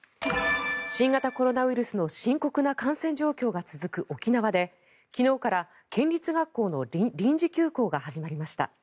新型コロナウイルスの深刻な感染状況が続く沖縄で昨日から県立学校の臨時休校が始まりました。